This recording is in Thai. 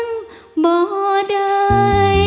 ออกไปเลยก็ไม่ได้